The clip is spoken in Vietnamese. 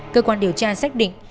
cơ quan điều tra xác định